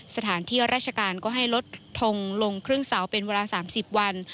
สถานที่ราชการก็ให้ลดทงลงครึ่งเสาเป็นเวลา๓๐วัน